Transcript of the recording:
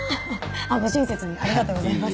ご親切にありがとうございます。